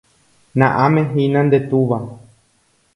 Na'áme hína nde túva